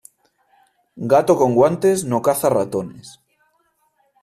Gato con guantes, no caza ratones.